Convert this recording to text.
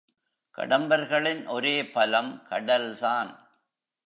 கடம்பர்களின் ஒரே பலம் கடல்தான்.